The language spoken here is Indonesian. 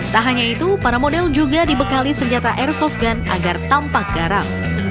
tak hanya itu para model juga dibekali senjata airsoft gun agar tampak garam